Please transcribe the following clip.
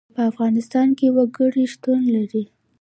په افغانستان کې وګړي شتون لري.